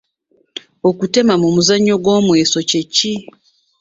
Okutema mu muzannyo gw’omweso kye ki?